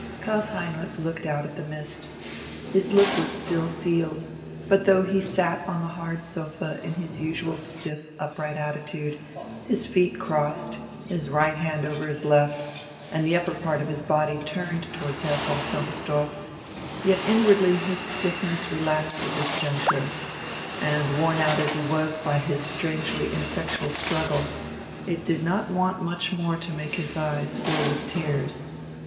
Klaus Heinrich looked out at the mist. His look was still sealed: but though he sat on the hard sofa in his usual stiff, upright attitude, his feet crossed, his right hand over his left, and the upper part of his body turned towards Herr von Knobelsdorff, yet inwardly his stiffness relaxed at this juncture, and, worn out as he was by his strangely ineffectual struggle, it did not want much more to make his eyes fill with tears.